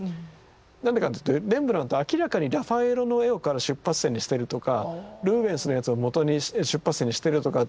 何でかっていうとレンブラント明らかにラファエロの絵を出発点にしてるとかルーベンスのやつをもとに出発点にしてるとかっていう絵があるんですよ。